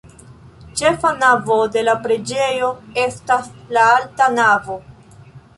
Ĉefa navo de la preĝejo estas la alta navo.